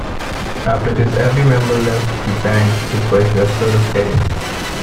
After this every member left the band to pursue a solo career.